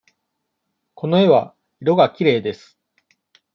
この絵は色がきれいです。